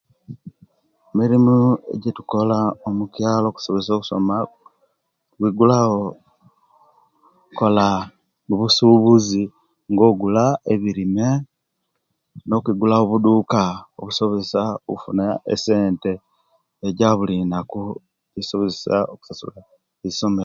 Emirimu ejetukola omukyalo okutusobozesya okusoma kwigulawo kukola busubuzi nga ogula ebirime no'kwigulawo buduka obusobozesya okufuna esente ejabulilunaku ejisobozesya okusasula eisoma